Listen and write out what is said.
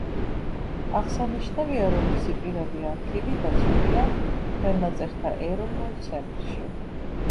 აღსანიშნავია, რომ მისი პირადი არქივი დაცულია ხელნაწერთა ეროვნულ ცენტრში.